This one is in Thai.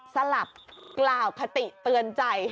สลับกล่าวคติเตือนใจ